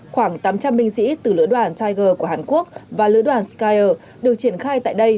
khoảng tám trăm linh binh sĩ từ lửa đoàn stryker của hàn quốc và lửa đoàn skyer được triển khai tại đây